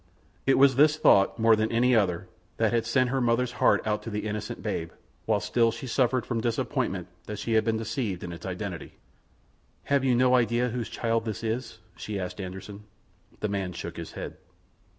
It was this thought more than any other that had sent her mother's heart out to the innocent babe, while still she suffered from disappointment that she had been deceived in its identity. "Have you no idea whose child this is?" she asked Anderssen. The man shook his head.